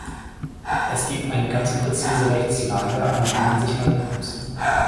Es gibt eine ganz präzise Rechtslage, an die man sich halten muss.